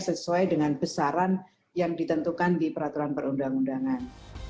sesuai dengan besaran yang ditentukan di peraturan perundang undangan